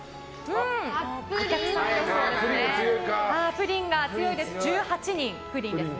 プリンが強いですね、１８人。